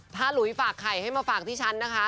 ถ้าหลุยฝากไข่ให้มาฝากที่ฉันนะคะ